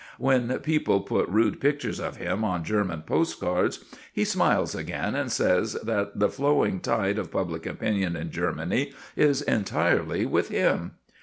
When people put rude pictures of him on German postcards, he smiles again, and says that the flowing tide of public opinion in Germany is entirely with him.